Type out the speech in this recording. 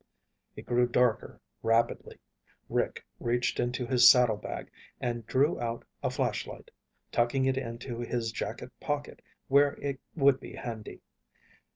It grew darker rapidly. Rick reached into his saddlebag and drew out a flashlight, tucking it into his jacket pocket where it would be handy.